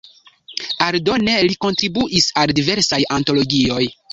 Aldone li kontribuis al diversaj antologioj.